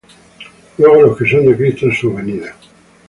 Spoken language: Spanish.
luego los que son de Cristo, en su venida.